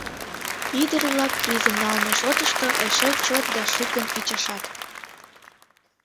Ӱдыр-влак призым налме шотышто эше чот да шукын ӱчашат.